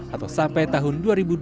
atau sampai tahun dua ribu dua puluh